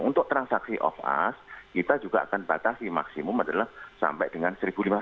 untuk transaksi off us kita juga akan batasi maksimum adalah sampai dengan satu lima ratus